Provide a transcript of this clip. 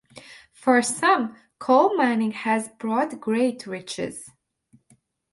For some, coal mining has brought great riches.